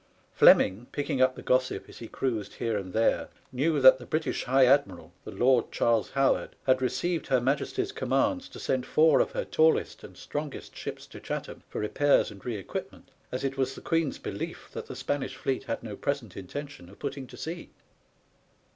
Fleming, picking up the gossip, as he cruised here and there, knew that the British High Admiral, the Lord Charles Howard, had received her Majesty's commands to send four of her tallest and strongest ships to Chatham for repairs and re equipment, as it was the Queen's belief that the Spanish fleet had no present intention of putting to sea.